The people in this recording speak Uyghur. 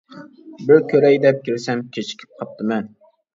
بىر كۆرەي دەپ كىرسەم كېچىكىپ قاپتىمەن.